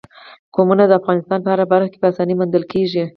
قومونه د افغانستان په هره برخه کې په اسانۍ موندل کېږي.